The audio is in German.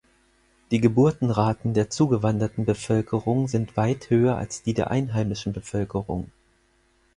Die Geburtenraten der zugewanderten Bevölkerung sind weit höher als die der einheimischen Bevölkerung.